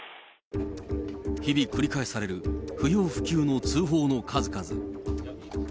日々繰り返される不要不急の通報の数々。